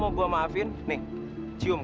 karena gue ga mau liat apa yang tuh ada di sides como